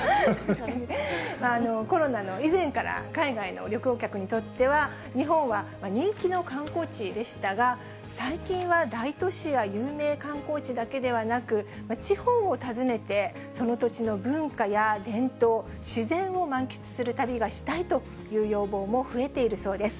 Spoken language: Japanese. コロナの以前から海外の旅行客にとっては、日本は人気の観光地でしたが、最近は大都市や有名観光地だけではなく、地方を訪ねて、その土地の文化や伝統、自然を満喫する旅がしたいという要望も増えているそうです。